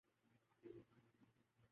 ہم نے سارا دن خریداری میں صرف کر دیا